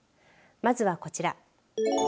まずは、こちら。